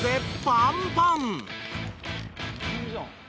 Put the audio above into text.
「パンパンじゃん」